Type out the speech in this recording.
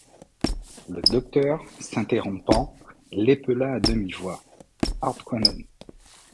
Le docteur, s’interrompant, l’épela à demi-voix: — Hardquanonne.